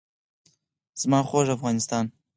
زما خوږ افغانستان.